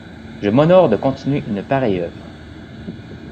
Je m'honore de continuer une pareille œuvre.